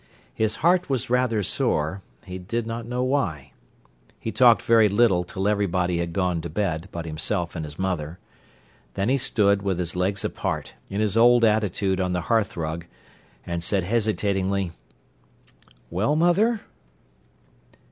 His heart was rather sore; he did not know why. He talked very little till everybody had gone to bed, but himself and his mother. Then he stood with his legs apart, in his old attitude on the hearthrug, and said hesitatingly: "Well, mother?"